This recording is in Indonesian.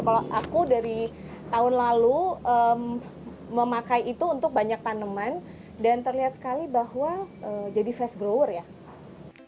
kalau aku dari tahun lalu memakai itu untuk banyak tanaman dan terlihat sekali bahwa jadi fast grower ya